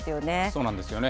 そうなんですよね。